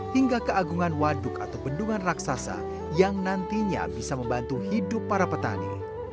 hingga keagungan waduk atau bendungan raksasa yang nantinya bisa membantu hidup para petani